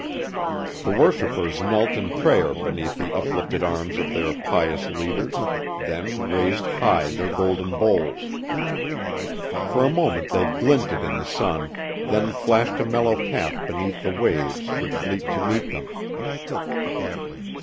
The worshipers knelt in prayer beneath the uplifted arms of their pious leaders, then raised high their golden bowls. For a moment they glinted in the sun, then flashed a mellow path beneath the waves which leaped to meet them.